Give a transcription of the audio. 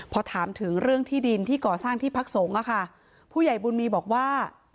พอถามถึงเรื่องที่ดินที่ก่อสร้างที่พักสงฆ์อะค่ะผู้ใหญ่บุญมีบอกว่า